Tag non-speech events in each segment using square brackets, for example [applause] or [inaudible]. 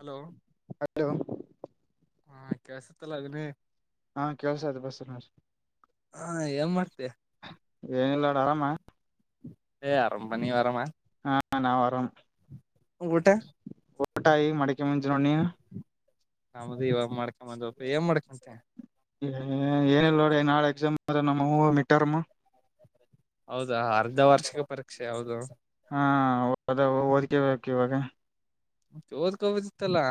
Hello ಹಾ ಕೆಳ್ಸತ್ತಲ್ಲ ಅದನ್ನೇ ಹಾ ಕೆಳ್ಸ ಅದು ಬಸನ ಹಾ ಏನ್ ಮಾಡ್ತತಿ ಏನು ಇಲ್ಲಾಡ ಆರಾಮ ಎಂ ಆರಾಮ ನಿ ಆರಾಮ ಹ ನಾವು ಆರಾಮ ಊಟಾ ಊಟಾ ಈಗ ಮಾಡೋಕೆ ಮುಂ ನೀನು ನಮದು ಇವಾಗ ಮಾಡ್ಕೊ ಬಂದ್ವಪ ಏನ್ ಮಾಡ್ಕೊಂತಿ ಏನಿಲ್ಲ ನೋಡ ನಾಳೆ ಎಕ್ಸಾಮ್ ಅ ನಮ್ಮ ಮಿಟ್ಟಾರಮ್ಮು ಹೌದಾ ಅರ್ಧ ವಾರ್ಷಿಕ ಪರೀಕ್ಷೆ ಹೌದು ದ ಓದಕೇ ಬೇಕ ಇವಾಗ ಚೋದಕುದಿತ್ತಲ್ಲಾ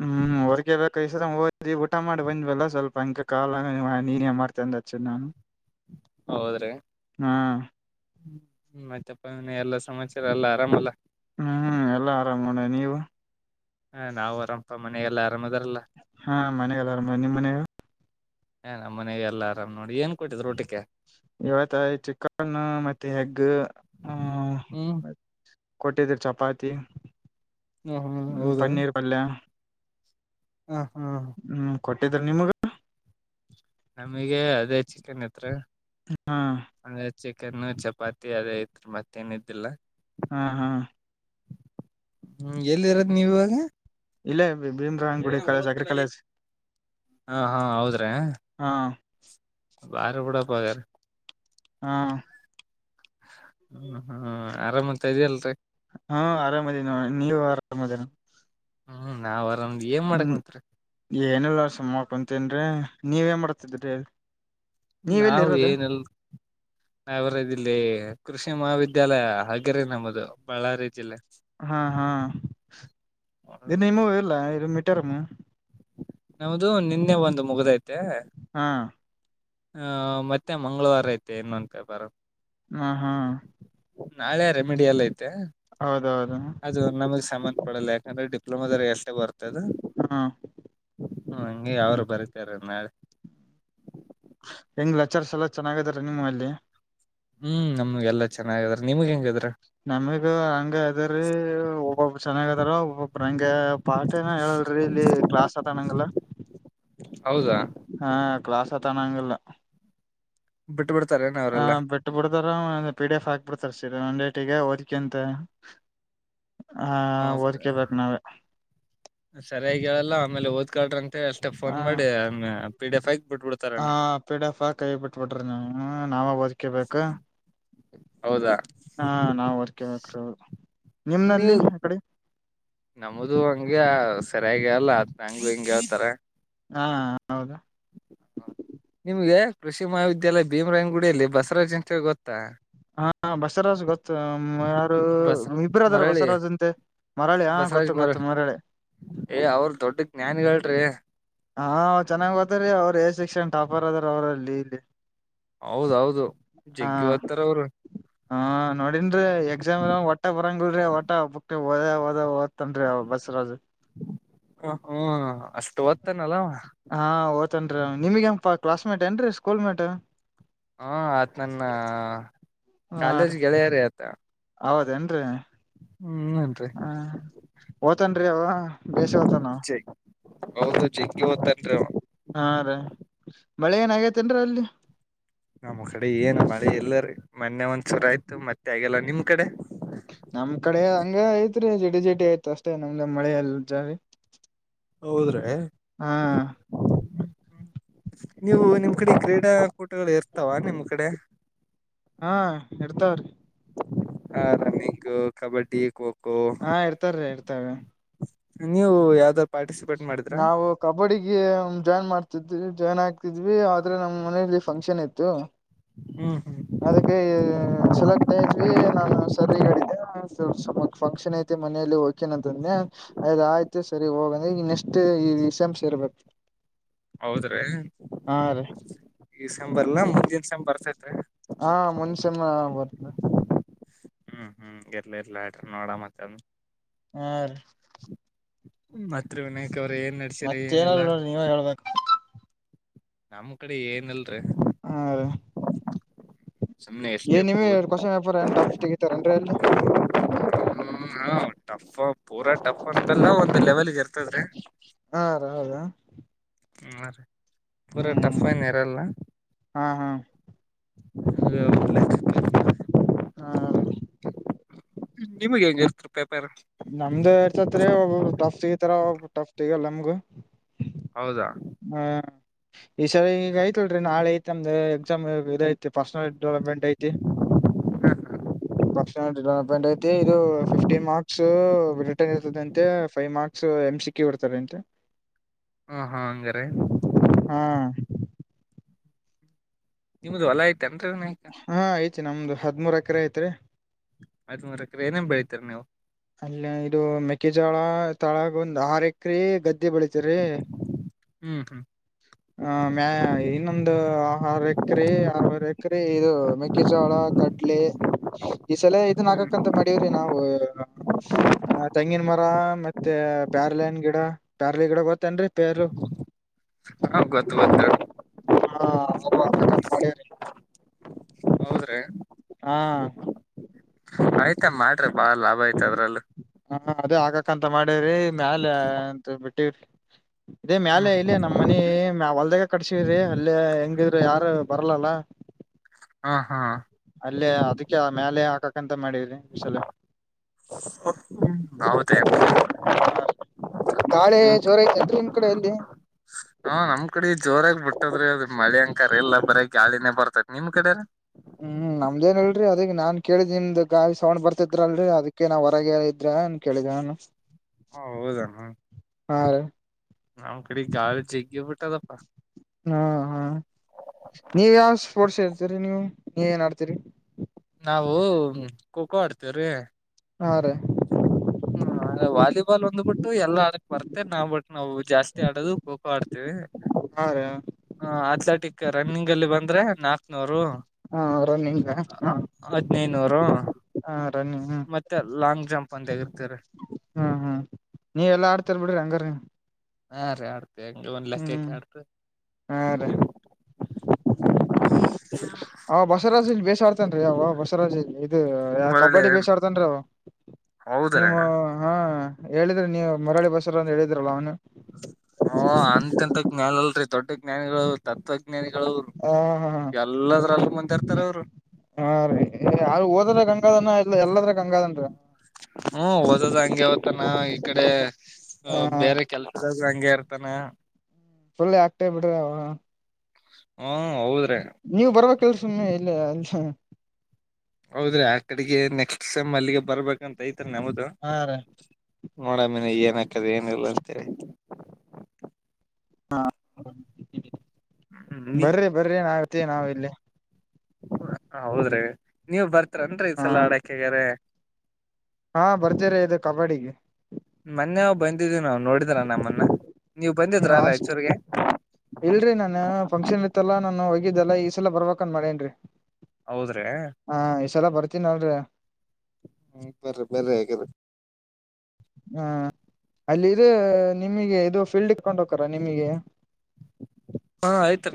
ಹ್ಮ್ ಓದ್ಕಬೇಕು ಈಸ್ರ ಹಿ ಊಟ ಮಾಡಿ ಬಂದ್ವಲ್ಲ ಸ್ವಲ್ಪ ಹಂಗ್ ಕಾಲ ನೀನೇ ಮಾಡ್ತಿ ಅಂತ ಹಚ್ಚಿ ನಾನು ಹೌದ್ರಿ ಹಾ ಹ್ಮ ಮತ್ತಪ್ಪ ಎಲ್ಲಾ ಸಮಾಚಾರ ಎಲ್ಲಾ ಆರಾಮಲ್ಲಾ ಹ್ಮ್ ಎಲ್ಲಾ ಆರಾಮ ಮಾಡಣ ನೀವು ಹಾ ನಾವು ಆರಾಮಪ ಮನೆ ಎಲ್ಲಾ ಆರಾಮದ ಹಾ ಮನೆಗೆಲ್ಲ ಆರಾಮ ನಿಮ್ಮ ಮನೆಯಾಗ್ ಏ ನಮ್ಮ ಮನೆಗೆ ಎಲ್ಲ ಆರಾಮ್ ನೋಡ ಏನ್ ಕೊಟ್ಟಿದ್ರ ಊಟಕೆ ಇವತ್ತ ಚಿಕನ್ ಮತ್ತೆ ಎಗ್ ಹೂ ಹ್ಮ್ ಆತ್ ಕೊಟ್ಟಿದ್ದರ್ ಚಪಾತಿ ಹ ಹಾ ಹ್ಮ ಹೌದಾ ಪನ್ನೀರ್ ಪಲ್ಯಾ ಹ ಹಾ ಹ್ಮ್ ಕೊಟ್ಟಿದ್ರ ನಿಮ್ಗ ನಮಗೆ ಅದೇ ಚಿಕನ್ ಇತ್ರ ಹಾ ಚಿಕನ್ ಚಪಾತಿ ಅದ ಇತ್ ಮತ್ತೇನ ಇದಿಲ್ಲ ಹಾ ಹಾ ಹ್ಮ್ ಎಲ್ಲಿ ಇರೋದ ನೀವ ಇವಾಗ ಭೀಮರಾಯಗುಡಿ ಏನ ಕಾಲೇಜ್ ಓದ್ ಅಗ್ರೀ ಕೂಡಲಿ ಕಾಲೇಜ್ ಹಾ ಹಾ ಹೌದ್ರಿ ಹಾ ಬಾರಿ ಬಿುಡಪ್ಪಗಾರ ಹಾ ಹ್ಮ ಹ್ಮ್ ಆರಾಮತ್ತ ಇದ್ಯಲ್ರಿ ಹಾ ಆರಾಮದೇವ ನೀವು ಆರಾಮದೇ ಹ್ಮ್ ನಾವ್ ಆರಾಮ್ ಏನ್ ಮಾಡಕ್ ಹ್ಮ್ ಮತ್ರಿ ಏನೆಲ್ಲ ಸುಮ್ ಕುಂತಿನರೀ ನೀವ ಎನ್ ಮಾಡ್ತಿದ್ರಿ ನೀವೆಲ್ಲಿ ನಾವು ಇರೋದು ಏನಿಲ್ಲ ನಾವ ಯಾರ ಇದಲ್ಲಿ ಕೃಷಿ ಮಹಾವಿದ್ಯಾಲಯ ಹಾಗೆರಿ ನಮ್ಮದು ಬಳ್ಳಾರಿ ಜಿಲ್ಲೆ ಹಾ ಹಾ ಇನ್ನಿಮ್ಮ ಇಲ್ಲಾ ಇದು ಮೀಟರಮ ನಮದು ನಿನ್ನೆ ಒಂದು ಮುಗದೈತೆ ಹಾ ಹ ಮತ್ತೆ ಮಂಗಳವಾರ ಐತೆ ಈ ಮಂತ ಬರ ಹಾ ಹಾ ನಾಳೆ ರೆಮಿಡಿಎಲ್ಲ್ ಐತೆ ಹೌದೌದು ಅದು ನಮಗೆ ಸಂಬಂಧ ಪಡಲ್ಲ ಯಾಕಂದ್ರೆ [unintelligible] ಎಸ್ಟ್ ಬರ್ತದ. ಹಾ ಹ್ಮ ಹಂಗೆ ಯಾವರು ಬರಿತಾರ ನಾಳೆ. ಹೆಂಗ್ ಲೆಕ್ಚರ್ಸ್ ಎಲ್ಲಾ ಚೆನ್ನಾಗದರ ನಿಮ್ಮಲ್ಲಿ. ಹ್ಮ್ ನಮ್ ಎಲ್ಲಾ ಚೆನ್ನಾಗಿದರ್ ನಮಗ ಹಂಗ ಅದರಿ ಒಬ್ಬೊಬ್ಬರ್ ಚೆನ್ನಾಗ ಅದಾರ ಒಬ್ಬೊಬ್ಬ್ರ ಹಂಗೆ. ಪಾಠ ಏನ ಹೇಳಲ್ರಿ ಇಲ್ಲಿ ಕ್ಲಾಸ್ ಹತನಂಗಲ್ಲ ಹೌದಾ ಹ ಕ್ಲಾಸ ತಾನಾಂಗಿಲ್ಲ. ಬಿಟ್ಬಿಡು ಹ ಬಿಟ್ಟು ಬಿಡದಾರ ಅವ್ನಿಗೆ. ಪಿಡಿಫ್ ಹಾಕ್ಬಿಡ್ತಾರೆ ಸೀ ಒನ್ ರೇಟಿಗೆ ಓದ್ಕ್ಯ ಅಂತ. ಹ ಓದುಕ್ಯ ಹ ಬೇಕು ನಾವೇ ನಾವೇ. ಸರಿಯಾಗಿ ಹೇಳಲ್ಲಾ ಆಮೇಲೆ ಓದ್ಕಾರಂನ್ ಅಷ್ಟೇ ಆ ಫೋನ್ ಮಾಡಿ ಅನ್ನ ಪಿ ಡಿ ಎಫ್ ಹಾಕ್ ಹ ಬಿಟ್ಬಿಡ್ತಾರನ್ ಪಿ ಡಿ ಎಫ್ ಕೈ ಬಿಟ್ಬಿಟ್ರಿ ನೀವು ನಾವ ಓದಕ್ಯಬೇಕು ಹೌದಾ ಹಾ ನಾವ್ ಓದಕ್ಯಬೇಕು. ನಿಮ್ನಲ್ಲಿ ಆ ಕಡೆ. ನಮ್ದ ಹಂಗೆ ಸರಿಯಾಗಗ್ ಹೇಲ್ಲಲ ಆತ್ ನಂಗ ಹಂಗೆ ಹೇಳ್ತಾರೆ. ಹಾ ಹೌದಾ ನಿಮ್ಗೆ ಕೃಷಿ ಮಹಾವಿದ್ಯಾಲಯ ಭೀಮರಾಯ್ಗುಡಿಯಲ್ಲಿ ಬಸವಾಜ್ ಅಂತ್ ಗೊತ್ತಾ. ಹಾ ಬಸರಾಜು ಗೊತ್ ಯಾರು ಬಸ್ ಇಬರದಾರ ಮರಳಿ ಬಸರಾಜಂತೆ ಮರಾಳಿ ಹಾ ಬಸವರಾಜ್ ಗೊತ್ತು ಮರಳಿ ಗೊತ್ತು ಮರಾಳಿ. ಏ ಅವ್ರ ದೊಡ್ಡ ಜ್ಞಾನಿಗಳ್ರಿ. ಹಾ ಚೆನ್ನಾಗ್ ಗತ್ತಾರೀ ಅವ್ರು ಎ ಶೆಕ್ಷನ್ ಟಾಪರ್ ಅದ್ರ ಅವ್ರಲ್ಲಿ ಇಲ್ಲಿ. ಹೌದೌದು ಹ ಜಗ್ಗಿ ಹೊತ್ತಾರ್ ಅವರು. ಹಾ ನೋಡಿನ್ ರೀ ಎಕ್ಸಾಮ್ ಒಟ್ಟ ಬರಂಗಲ್ ರೀ ಒಟ್ಟ ಬಕ್ ಓದ ಹ ಓದ ಓದ್ತನ್ರಿ ಅವ ಬಸರಾಜ್. ಹ ಹ್ಮ್ ಅಷ್ಟು ಒತ್ತನಲ್ಲ. ತ್ತನ್ರೀ ನಿಮಗಪಾ ಕ್ಲಾಸ್ ಮೇಟ್ ಏನ್ರೀ ಸ್ಕೂಲ್ ಮೇಟ್. ಹಾ ಆತ್ ನನ್ನ ಹ ಕಾಲೇಜ್ ಗೆಳೆಯರಿ ಆತ. ಹೌದೇನ್ರಿ ಹ್ಮ್ ನನ್ರಿ ತನ್ರಿ ಅವ ಬೆಸ ಹೊತನ ಹೌದು ಜಗ್ಗಿ ಓದ್ತನ್ರಿ ಅವ ಹಾ ರಿ ಮಳೆ ಏನ ಆಗೈತೇನ್ರೀ ಅಲ್ಲಿ. ನಮ್ಮ ಕಡೆ ಏನ್ ಮಳೆ ಎಲ್ಲರಿ ಮೊನ್ನೆ ಒಂದ್ಸೂರ ಆಯ್ತು ಮತ್ತೆ ಆಗಿಲ್ಲ ನಿಮ್ ಕಡೆ. ನಮ್ ಕಡೆ ಹಂಗೆ ಐತ್ರಿ ಜಟಿ ಜಟಿ ಆಯ್ತು ಅಷ್ಟೇ ನಮ್ದ ಮಳೆ ಎಲ್ ಜಾರಿ. ಹೌದ್ರೆ ಹ್ಮ್ ಹಾ ನೀವು ನಿಮ್ ಕಡೆ ಕ್ರೀಡಾಕೂಟಗಳು ಇರ್ತಾವ ನಿಮ್ ಕಡೆ. ಹಾ ಇರ್ತಾವ್ರಿ ಹ ರನ್ನಿಂಗ್ ಕಬಡ್ಡಿ ಖೋಖೋ. ಹಾ ಇರ್ತಾವ್ ಇರ್ತವೆ. ನೀವು ಯಾವ್ದಾರ ಪಾರ್ಟಿಸಿಪೇಟ್ ಮಾಡಿದ್ರ ನಾವು ಕಬಡ್ಡಿಗೆ ಜಾಯಿನ್ ಮಾಡ್ತ ಜಾಯ್ನ್ ಆಗ್ತಿದ್ವಿ ಆದ್ರೆ ನಮ್ಮ್ ಮನಲಿ ಫಂಕ್ಷನ್ ಇತ್ತು. ಹ್ಮ್ ಹ್ಮ್ ಅದಕ್ಕೆ ಸಲಕ್ತಾ ಇದ ಇದ್ವಿ ನಾನು ಸರಿಡಿದ್ದ. ಫಂಕ್ಷನ್ ಐತೆತ ಮನೆಯಲ್ಲಿ ಹೋಗಕಿನಂತಂದೆ. ಅಯದ್ ಆಯ್ತು ಸರಿ ಹೋಗಂದ್ರೆ ಈಗ ನೆಕ್ಸ್ಟ್ ಈಸೆಮ್ಸ್ ಇರ್ಬೇಕು. ಹೌದ್ರೀ ಈ ಸಂಬರ್ಲ್ಲಾ ಮುಂದಿನಸಮ್ ಬರ್ತತ್ರಿ. ಹಾ ಮುನ್ಷ್ಯನ ಬರ್ತ. ಹ್ಮ್ ಹ್ಮ್ ಇರ್ಲ ಇರ್ಲಾ ಆಟ ನೋಡ ಮತ್ತ ಹಾ ರಿ ಮತ್ರ ವಿನಾಯಕ್ ಅವ್ರ ಏನ್ ನಡಸೀರೆ ಏನಲ್ಲ ಮತ್ತೇನಲ್ ನೋಡ್ರಿ ನೀವೇ ಹೇಳ್ಬೇಕು ನಮ್ ಕಡೆ ಏನಲ್ರರಿ ಹಾ ರಿ ಸುಮ್ನೆ ಎಷ್ಟೇ ಏನು ಇವೇ ಕೂತ್ ಕ್ವೆಶ್ಚನ್ ವ್ಯಾಪಾರ ಏನ್ ಟಫ್ ತೆಗೀತಾರನ್ರರಿ ಅಲ್ಲಿ ಹ್ಮ ಹಾ ಟಫ್ ಪೂರಾ ಟಫ್ ಅಂತಲ್ಲ ಒಂದು್ ಲೆವೆಲ್ಗೆ ಇರ್ತದ್ರಿ ಹಾ [inaudible] ಹ್ಮ ರೀ ಪೂರಾ ಹ್ಮ್ ಟಫ್ ಎನ್ಯೂರಲ್ಲ ಹಾ ಹಾ ಒಂದು ಲೇಕ್ ಹಾ [unintelligible] ನಿಮ್ಗೆ ಹೆಂಗೆ ಇರುತ್ತೆ ಪೇಪರ್ ನಮ್ದು ಇರ್ತತ್ರಿೀ ಒಬ್ರು ಟಫ್ ಸಿಗತಾರ ಒಬ್ ಟಫ್ ಸಿಗಲ್ಲ ನಮಗೂ ಹೌದಾ ಹ್ಮ ಈ ಸರಿ ಈಗ ಐತಿಲ್ರಿ ನಾಳೆ ಐತೆ ನಮ್ದ್ ಎಕ್ಸಾಮ ಇದ ಐತಿ ಪರ್ಸನಲ್ ಡೆವಲಪ್ಮೆಂಟ್ ಐತಿ ಹ್ಮ ಹ್ಮ ಪರ್ಸನಲ್ ಡೆವಲಪ್ಮೆಂಟ್ ಐತಿ ಇದು ಫಿಫ್ಟೀನ್ ಮಾರ್ಕ್ಸ್ ರಿಟನ್ ಇರ್ತದಂತೆ ಫೈವ್ ಮಾರ್ಕ್ಸ್ ಎಂ ಸಿಿಕಿ ಕೊಡ್ತಾರೆ ಅಂತೆ ಹಾ ಹಾ ಹಂಗಾರೆ ಹಾ ನಿಮ್ದ ಹೊಲ ಆಯ್ತ ಎಂತಿನಾಯ್ಕ ನಮ್ಮ ಹದಿಮೂರು ಎಕರೆ ಐತ್ರಿ ಹದಿಮೂರು ಎಕರೆ ಏನೇನ್ ಬೆಳಿತೀರಿ ನೀವು ಅಲ್ಲಿ ಇದು ಮೆಕ್ಕೆಜಳ ತಾಳಗ ಒಂದ್ ಆರ್ ಎಕ್ರ ಗಡೆ ಮ್ದೆ ಬೆಳತ ರೀ ಹ್ಮ್ ಹ್ಮ್ ಆ ಮ್ಯಾ ಇನ್ನೊಂದು ಹಾರು ಎಕ್ರ ಆರವರ್ ಎಕ್ರ ಇದು ಮೆಕ್ಕೆಿಜಳ ಈ ಸಲ ಇದನ್ನ ಹ್ಮ್ ಹಾಕ ಮಾಡವ್ರಿ ನಾವು ತೆಂಗಿನ ಮರ ಮತ್ತೆ ಪ್ಯಾರ್ಲನ್ ಗಿಡ ಪ್ಯಾರ್ಲಿ ಗಿಡ ಗೊತ್ತೇನ್ರರಿ ಪೆರು ಹ ಗೊತ್ತು ಗೊತ್ತು [unintelligible] ಹೌದ್ರೀ ಹಾ ಆಯ್ತ ಮಾಡ್ರಿ ಬಾಳ ಲಾಭ ಐ್ತ ಅದ್ರಲ್ಲೂ ಹಾ ಅದೇ ಆಗಕಂತ ಮಾಡೇವ್ರಿ ಮ್ಯಾಲ ಅಂತ ಬಿಟ್ಟವ್ರಿ ಇದೇ ಹ್ಮ್ ಮ್ಯಾಲ ಇಲ್ಲಿ ನಮ್ಮ ಮನಿ ಮ ಹೊಲ್ದಾಗ ಕಟ್ಸ್ರಿ ಅಲ್ಲ ಹೆಂಗ ಯಾರು ಬರಲಲ್ಲ ಹಾ ಹಾ ಮೇಲೆ ಹಾಕಕ್ಕ [unintelligible] ಹೌದೇ ಗಾಳೆ ಜ್ವರ ಐತೆತ್ ನಿಮ್ ಕಡೆ ಅಲ್ಲಿ ಹಾ ನಮ್ ಕಡೆ ಜೋರಾಗ ಬಿಟ್ಟದ್ರೆ ಅದು ಮಳೆ ಅಂಕಾರ ಎಲ್ಲ ಬರ ಗಾಳಿನೇ ಬರ್ತ ನಿಮ್ ಕಡೆ ರೀ ಹ್ಮ್ ನಮ್ದೇನ್ಲ್ರರಿ ಅದಿ ನಾನ್ ಕೇಳಿದ್ ನಿಮ್ದ್ ಗೇಲ್ ಸವಣ್ ಬರ್ತಿದ್ರಲ್ರರಿ ಅದಿಕ್ಕೆ ನಾವ್ ಹೊರಗೆೇ ಇದ್ರ ಏನ ಕೇಳಿದ ಅವನು ಹೌದಣ ಹಾ ರಿ ನಮ್ ಕಡೆ ಗೇಲ್ ಜಗ್ ಬಿಟ್ಟದಪ್ಪ ಹಾ ಹಾ ನೀವ ಯಾವ ಸ್ಪೋರ್ಟ್ಸ್ ಹೇಳ್ತೀರಿ ನೀವು ನೀವ ಏನ್ ಆಡ್ತೀರಿ ನಾವವು ಖೋಖೋ ಆಡ್ತೇವ್ರಿ ಹಾ ರೀ ಹ್ಮ ವಾಲಿಬಾಲ್ ಒಂದ್ಬಿಟ್ಟು ಎಲ್ಲಾ ಆಡಕ್ ಬರ್ತೆ ನಾವು ಬಿಟ್ಟು ನಾವು ಜಾಸ್ತಿ ಆಡೋದು ಖೋಖೋ ಆಡ್ತೇವಿ ರಿ ಹಾ ರಿ ಹ ಅಥ್ಲೆಟಿಕ್ ರನ್ನಿಂಗ್ ಅಲ್ಲಿ ಬಂದ್ರೆ ನಾಕ್ನೂರು ಹಾ ರಿನ್ ನಿಮಗೆ ಹಾ ಹದ್ನೈನೂರು ರಿ [unintelligible] ಮತ್ತೆ ಲಾಂಗ್ ಜಂಪ್ ಅಂದ. ಹ್ಮ್ ಹ್ಮ್ ನೀವೆಲ್ಲಾ ಆಡ್ತರ್ ಬಿಡ್ರಿ ಹಂಗಾರ. ಹೇಾರಾಡ್ು. ಂಗ ಒನ್ ಲೆಕ್ಕ ಹ್ಮ್ ಕ ಆಡ್ರ. ಹಾ ರೀ ಅವ ಬಸವರಾಜ್ ಇಲ್ಲಿ ಬೇಸ ಆಡ್ತೇನ್ೀ ಯಾವ ಬಸರಾಜ ಇಲ್ಲಿ. ಇ ಮರಳಿ ಕಬಡ್ಡಿ ಬೇ ಆಡ್ತನ್ ಹೌದ್ರೀ ನೀವು ಹಾ. ಹೇಳಿದ್ರಿ ನೀವು ಮರಳಿ ಬಸರ ಅ ಹೇಳಿದ್ರಲ್ಲ ಅವನು. ಹಓ ಅಂತೆಂತ ಜ್ಞಾನ ಅಲ್ರರಿ ದೊಡ್ಡ ಜ್ಞಾನಿಗಳು ತತ್ವಜ್ಞಾನಿ. ಹ ಹಾ ಎಲ್ಲದ್ರಲ್ಲ ಮುಂದೆ ಇರ್ತಾರ ಅವರು. ಹಾ ರೀ ಯಾರು ಹೋದ್ರೆ ಗಂಗಾಧನ ಇಲ್ಲ ಎಲ್ಲದ್ರ ಗಂಗಾಧನ್ರ. ಇರ್ತಾನ ಈ ಕಡೆ ಬೇರೆ ಕೆಲ್ಸದ ಹಂಗಗೆ ಇರ್ತಾನ. ಫುಲ್ ಆಕ್ಟೇವ್ ಬಿಡ್ರಿ ಅವ. ಹಾ ಹೌದ್ರಿ. ಸ ಇಲ್ಲ ಆ. ಹೌದ್ರಿ ಆ ಕಡೆಗೆ ನೆಕ್ಸ್ಟ್ ಸೈಮ್ ಅಲ್ಲಿಗೆ ಬರ್ಬೇಕಂತ ಐತ್ರಿ ನಾವ್ದ. ಹಾ ರೀ ನೋಡಾಮೇನ್ ಏನ್ಕದ ಏನ ಇಿಲ್ಲ ಅಂತರಿ. ಹಾ ನೀ ಬರ್ರಿ ಬರ್ರಿ ಆಗತಿ ನಾವ ಇಲ್ಲಿ. ಹೌದ್ರಿ ನೀವು್ ಬರ್ತ. ಹತ್ರನ್ೀ ಈ ಹಾ ಸಲ ಆಡಕಗಾರ. ಹಾ ಬರ್ತೀರಿ ಇದು ಕಬಡ್ಡಿಗೆ ಮೊನ್ನೆ ಬಂದಿದೀವಿ ನಾವವು ನೋಡಿದ್ರ ನಮ್ಮನ್ನ ನೀವ್ ಹ್ಮ್ ಬಂದಿದ್ರ ಅಷ್ಟ್ ರಾಯಚೂಗೆ. ಇಲ್ರರಿ ನಾನ ಫಂಕ್ಷನ್ ಇತ್ತಲ್ಲಾ ನಾನು ಹೋಗಿದ್ದಲ್ಲ ಈ ಸಲ ಬರ್ಬೇಕಕ್ಂದ ಮಾಡೇನ್ರರಿ. ಹೌದ್ರೆ. ಚಲ ಬರ್ತೀನಿ ಅಲ್ರರಿ. ಹ್ಮ್ ಬರ್ರಿ ಬರ್ರಿ ಹಾಗಗ್ರ. ಹಾ ಅಲ್ಲಿ ಇ ನಿಮಗೆ ಇದು ಫೀಲ್ಡ್ ಇಕೊಂಡ್ ಹಕರ ನಿಮಗೆ.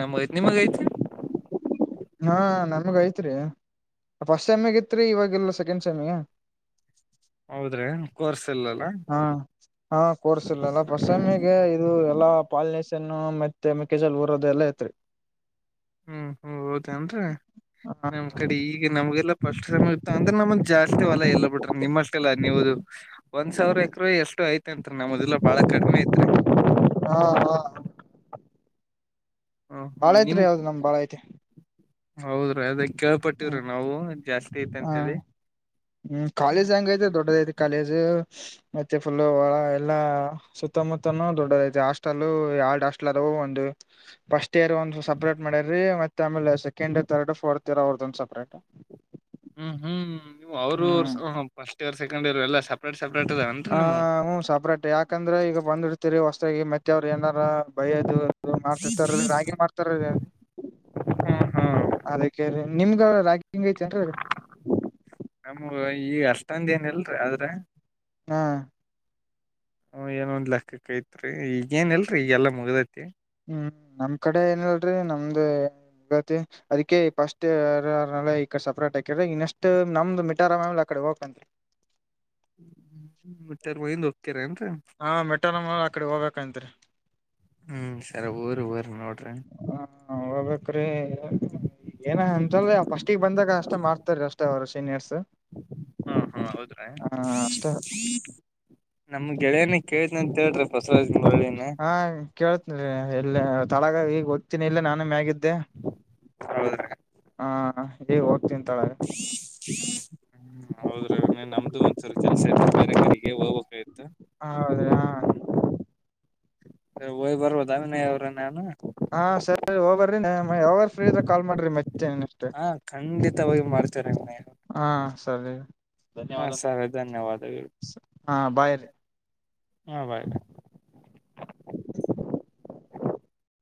ನಮ್ಮತ್ ನಿಮಗೈತೆ. ಹಾ ನಮಗ ಐತ್ರಿ. ಫಸ್ಟ್ ಸೆಮಿಗ ಇತ್ರಿ ಇವಾಗೆಲ್ಲ ಸೆಕೆಂಡ್ ಸೆಮಿಗ. ಹೌದ್ರಿ. ಕೋರ್ಸ್ ಇಲ್ಲಲ್ಲ ಹಾ ಹಾ ಕೋರ್ಸಿಲ್ಲಲ್ಲ ಪಮ್ಮಿಗೆ ಇದು ಎಲ್ಲಾ ಪಾಲನೆ. ೆನ್ನು ಮೆತ್ತೆ ಮೆಕ್ಕೆಜಲ್ ಉಊರೋದ ಎಲ್ಲ ಐತ್ರಿ. ಹ್ಮ್. ಹೌದ ಅಂದ್ರೆ ಹಾ ನಮ್ ಕಡೆ ಈಗ ನಮ್ಗೆಲ್ಲ ಪಷ್ಟ ಸಮಯ ಇತ ಅಂದ್ರೆ ನಮ್ಮ ಜಾ. ಅಷ್ಟೇವಲ್ಲ ಎಲ್ಲ ಬಿಟ್ರೆ ನಿಮ್ಮಷ್ಟೆಲ್ಲ ನೀವುದು. ಒಂದ್ ಸಾವಿರ ಎಕ್ರ ಎಷ್ಟು ಐತೆತ್ರಿ ನಮ್ಮದಲ್ಲಾ ಬಾಳ ಕಡಿಮೆ ಐತ್ರಿ. ಹಾ ಹಾ. ಹ ಹ ಭಾಳ ಐತ್ ರೀ ಯಾವ್ದ್ ನಮ್ ಭಾಳ ಐತೆ. ಹೌದ್ರೀ ಅದ ಕೇಳ್ಪಟ್ಟವ್ರಿ ನಾವು ಜಾಸ್ತಿ ಐತೆ ಹ ಅಂತೇಳಿ. ಹ್ಮ್ ಕಾಲೇಜ್ ಹೆಂಗ ಐತೆ ದೊಡ್ಡದಐತಿ ಕಾಲೇಜ್. ಮತ್ತೆ ಫುಲ್ ಒಳ ಎಲ್ಲಾ ಸುತ್ತಮುತ್ತನುೂ ದೊಡ್ಡದೈತೆ ಹಾಸ್ಟೆಲ್ ಎರಡ್ ಹಾಸ್ಟೆಲ್ ಅದೂ ಒಂದು- ಫಸ್ಟ್ ಇಯರ್ ಒಂದ್ ಸಪ್ರೇಟ್ ಮಾಡ್ಯ್ರರಿ ಮತ್ತೆ ಆಮೇಲೆ ಸೆಕೆಂಡ್ ಥರ್ಡ್ ಫೋರ್ತ್ ಇಯರ್ ಅವ್ರ ಂದು ಸಪ್ರೇಟ್ ಹ್ಮ್ ಹ್ಮ್ ನೀವು ಅವರು ಹ್ಮ್ ಫಸ್ಟ್ ಇಯರ್ ಸೆಕಂಡ್ ಇರ್ ಎಲ್ಲ ಸ. ಹ ಹ ಸಪ್ರೇಟ್ ಯಾಕಂದ್ರೆ ಈಗ ಬಂದಿಡ್ತೀರಿ ಹೊಸ್ತ್ರಾಗಿ ಮತ್ತೆವ್ರು ಏನಾರ ಬೈದು. ಮಾಡ್ತಿರ್ತಾರ ರಾಗಿ ಮಾಡ್ತಾರ ಹ್ಮ್ ಹ್ಮ್ ಅದಕ್ಕೆ. ನಿಮಗ ರಾಗಿಂಗ ಐತೆನ್. ನಮಗ ಈ ಅಷ್ಟೊಂದ ಏನ ಇಲ್ರರಿ ಆದ್ರ. ಹಾ. ಹ್ಮ ಏನೊಂದ್ ಲಲೆಕ್ಕೈಐತ್ರಿ ಈಗಏನಲ್ರರಿ ಈಗೆಲ್ಲಾ ಮುಗ್ದತಿ. ಹ್ಮ್ ನಮ್ ಕಡೆ ಏನಲ್ರರಿ ನಮ್ದ. ತ್ತ ಅದಕ್ಕೆ ಫೈರ್ಸ್ ಯಾರನ ಈಕ ಸೆಪರೇಟ್ ಆಕರ ಇನ್ನಷ್ಟು ನಮ್ದು ಮಿಟರ ಯಾವಾಗ ಹಾಕೊಂತೀರಿ. ಮತ್ತೆ ಏನರಲ್ಲಿ ಒಗ್ತಿರ ಹ್ಮ್ಮ ಮಿಡ್ಟರ್ಮ್ ಮುಗದಮೇಲೆ ಆ ಕಡೆ ಹೋಗಬೇಕು ರಿ. ಹ್ಮ್ ಸರಿ ಹೋಗ್ರಿ ಹೋಗ್ರಿ ನೋಡ್ರಿ. ಹ ಹೋಗ್ಬೇಕ್ರೀ ಏನ ಅಂತಲ್ ಫಸ್ಟಿಗೆ ಬಂದಾಗ ಅಷ್ ಅಷ್ಟ ಮಾಡ್ತಾರೀ ಅಷ್ಟೇ ಅವರು ಸೀನಿಯರ್ಸ್. ಹ್ಮ್ಮ್ ಹ್ಮ್ಮ್ ಹೌದ್ರೆ. ಹ ಅಷ್ಟೇ ನಮ್ಮ ಗೆಳೆಯನ ಗೆಳೆಯರನ ಕೇಳಿದೆ ಅಂತ ಹೇಳ್ರಿ ಬಸವರಾಜ್ ಮುರಳಿನ. ಹಾ ಕೇಳ್ತನ್ರಿ ಎಲ್ಲ ತಳಗ ಈಗ ಓದ್ತೀನಿ ಇಲ್ಲ ನಾನು ಮ್ಯಾಗಿದ್ದೆ. ಹೌದ್ರಿ ಹ್ಮ್ಮ್ ಹ್ಮ್ಮ್ ಈಗ ಹೋಗ್ತಾ. ಹ್ಮ್ಮ್ ಹೌದು ರಿ ನಮ್ದು ಒಂದು ಸಲಿ. ಕೆಲಸ ಆಯ್ತಿ ಬೇರೆ ಕಡೆಗೆ ಹೋಗ್ಬೇಕಾಯ್ತ. ಹ ಹೌದ್ರಿ ಹಾ ಹೋಗಿ ಬರಬಹುದಾ ವಿನಯ ಅವರೇ. ಹ್ಮ್ಮ್ ಸರಿ ಹೋಗಿ ಬರಿ ಯಾವಗನ ಫ್ರೀ ಇದ್ರೆ ಕಾಲ್ ಮಾಡ್ರಿ ಮತ್ತೆನ್ ಅಷ್ಟೆ. ಮತ್ತೆ ಹೋಗಿ ಮಾಡತೀವ್ರಿ ವಿನಯ್. ಸರಿ ಹಾ ಧನ್ಯವಾದ ಸರಿ ಧನ್ಯವಾದಗಳು ಹ್ಮ್ಮ ಬೈ ರಿ. ಹ್ಮ್ಮ್ ಬೈ ರಿ. [inaudible]